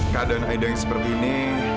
keadaan ada yang seperti ini